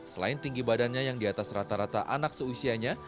selain tinggi badannya yang di atas rata rata anak seusianya